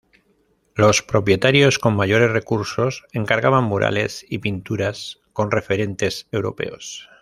Los propietarios con mayores recursos encargaban murales y pinturas con referentes europeos.